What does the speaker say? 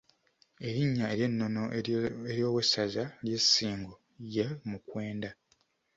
Erinnya ery’ennono ery’owessaza ly’e Ssingo ye Mukwenda.